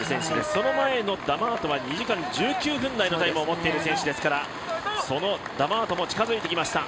その前のダマートは２時間１９台の記録を持っている選手ですからそのダマートも近づいてきました。